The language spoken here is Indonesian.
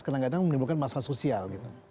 kadang kadang menimbulkan masalah sosial gitu